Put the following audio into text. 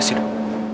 mas ah tidak